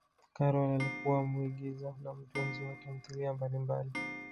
karol alikuwa muigiza na mtunzi wa tamthilia mbalimbali